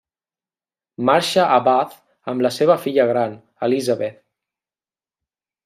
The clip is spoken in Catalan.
Marxa a Bath amb la seva filla gran, Elizabeth.